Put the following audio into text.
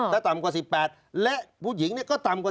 ถ้าต่ำกว่า๑๘และผู้หญิงก็ต่ำกว่า